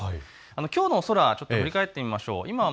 きょうの空、振り返ってみましょう。